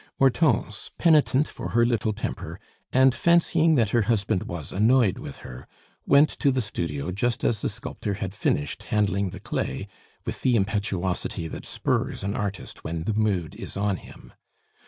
Hortense, penitent for her little temper, and fancying that her husband was annoyed with her, went to the studio just as the sculptor had finished handling the clay with the impetuosity that spurs an artist when the mood is on him.